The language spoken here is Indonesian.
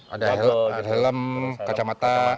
ada helm kacamata